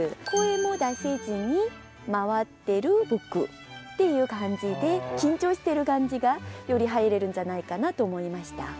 「声も出せずに回ってる僕」っていう感じで緊張してる感じがより入れるんじゃないかなと思いました。